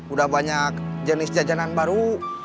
udah banyak jenis jajanan baru